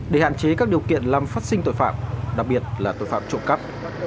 đặc biệt là tội phạm trộm cắp